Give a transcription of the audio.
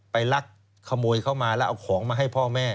ไปรักขโมยเข้ามาเอาของมาให้พ่อแม่